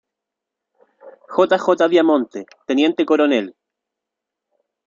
J. J. Viamonte, Tte, Cnel.